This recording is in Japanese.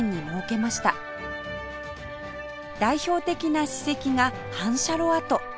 代表的な史跡が反射炉跡